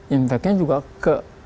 impactnya juga ke